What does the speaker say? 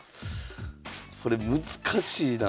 これ難しいなあ。